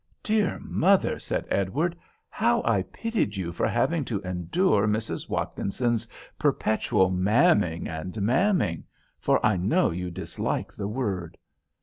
"Dear mother," said Edward, "how I pitied you for having to endure Mrs. Watkinson's perpetual 'ma'aming' and 'ma'aming'; for I know you dislike the word."